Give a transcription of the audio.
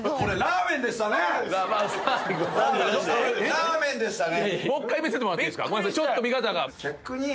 ラーメンでしたね。